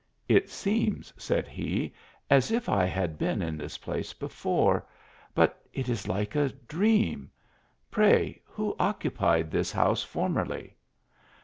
" It seems," said he, " as if I had been in this place before ; but it is like a dream. Pray who occupied this house formerly